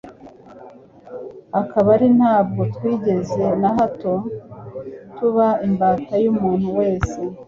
akaba ari ntabwo twigeze na hato tuba imbata y'umuntu wese,